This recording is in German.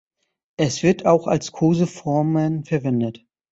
Es wird auch als Koseformen verwendet.